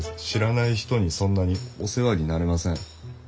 知らない人にそんなにお世話になれません。